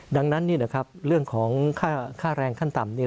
ดังนั้นนี่นะครับเรื่องของค่าแรงขั้นต่ำนี้